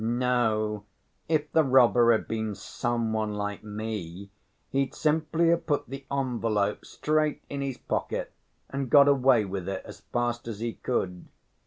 No, if the robber had been some one like me, he'd simply have put the envelope straight in his pocket and got away with it as fast as he could.